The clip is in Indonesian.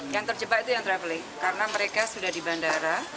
yang terjebak itu yang traveling karena mereka sudah di bandara